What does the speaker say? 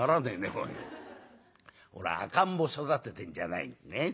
これ赤ん坊育ててんじゃないんだねっ」。